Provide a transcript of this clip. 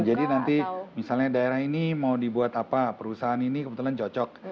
nanti misalnya daerah ini mau dibuat apa perusahaan ini kebetulan cocok